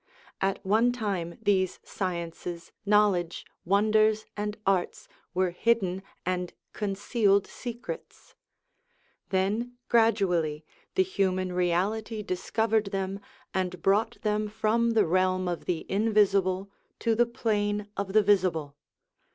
At one time these sciences, knowledge, wonders, and arts were hidden and concealed secrets ; then gradually the human reality discovered them, and brought them from the realm of the invisible to the plane of the visible.